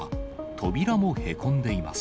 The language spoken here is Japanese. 扉もへこんでいます。